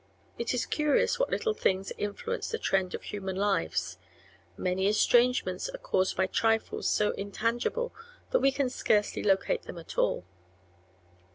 It is curious what little things influence the trend of human lives. Many estrangements are caused by trifles so intangible that we can scarcely locate them at all.